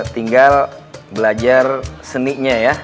tinggal belajar seninya ya